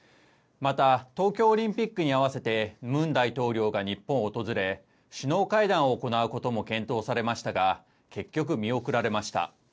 また、東京オリンピックに合わせてムン大統領が日本を訪れ、首脳会談を行うことも検討されましたが、結局、見送られました。